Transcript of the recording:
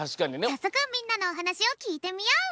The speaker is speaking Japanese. さっそくみんなのおはなしをきいてみよう。